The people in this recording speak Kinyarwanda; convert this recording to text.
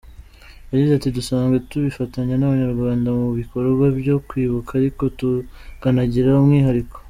Yagize ati “Dusanzwe twifatanya n’abanyarwanda mu bikorwa byo kwibuka ariko tukanagira umwihariko.